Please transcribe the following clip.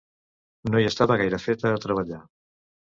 No hi estava gaire feta, a treballar.